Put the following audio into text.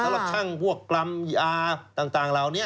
แล้วก็ช่างพวกกลำยาต่างเหล่านี้